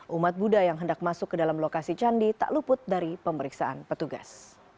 umat buddha yang hendak masuk ke dalam lokasi candi tak luput dari pemeriksaan petugas